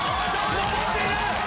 登っている！